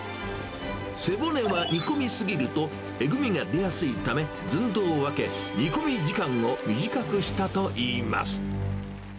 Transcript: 背骨は煮込みすぎるとえぐみが出やすいため、寸胴を分け、煮込み時間を短くしたといいます。